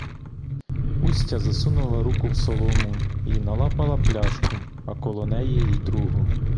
Устя засунула руку в солому й налапала пляшку, а коло неї й другу.